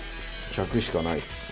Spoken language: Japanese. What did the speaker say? １００しかないです。